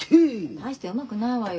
大してうまくないわよ。